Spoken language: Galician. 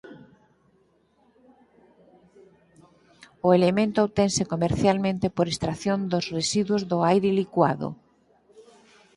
O elemento obtense comercialmente por extracción dos residuos do aire licuado.